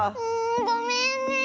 ごめんね。